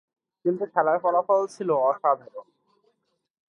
কিন্তু খেলার ফলাফল ছিল অসাধারন।